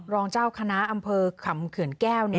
รองเจ้าคณะอำเภอขำเขื่อนแก้ว